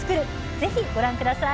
ぜひご覧ください。